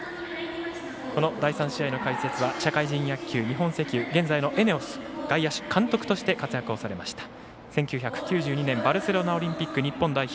この第３試合の解説は社会人野球日本石油、現在のＥＮＥＯＳ外野手、監督として活躍をされました、１９９２年バルセロナオリンピック日本代表